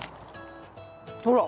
ほら。